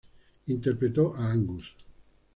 Interpretó a Angus.